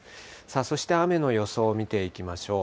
そして雨の予想を見ていきましょう。